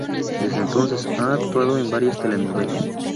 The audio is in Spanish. Desde entonces, ha actuado en varias telenovelas.